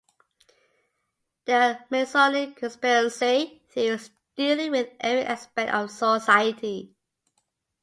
There are Masonic conspiracy theories dealing with every aspect of society.